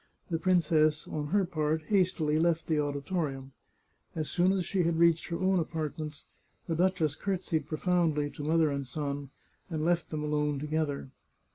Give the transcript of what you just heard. The princess, on her part, hastily left the auditorium. As soon as she had reached her own apartments the duchess courtesied profoundly to mother and son, and left them alone together.